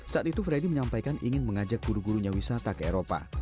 saat itu freddy menyampaikan ingin mengajak guru gurunya wisata ke eropa